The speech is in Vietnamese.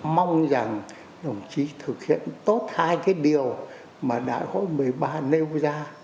mong rằng đồng chí thực hiện tốt hai cái điều mà đại hội một mươi ba nêu ra